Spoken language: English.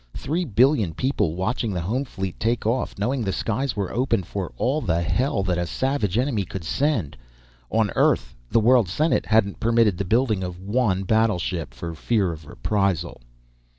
Three billion people watching the home fleet take off, knowing the skies were open for all the hell that a savage enemy could send! On Earth, the World Senate hadn't permitted the building of one battleship, for fear of reprisal.